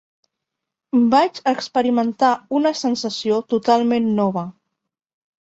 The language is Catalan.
Vaig experimentar una sensació totalment nova.